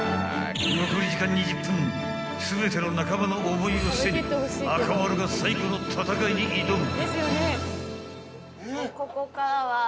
［全ての仲間の思いを背に亞かまるが最後の戦いに挑む］